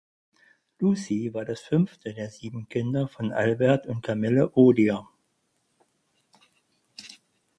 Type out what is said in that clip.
Lucie war das fünfte der sieben Kinder von Albert und Camille Odier.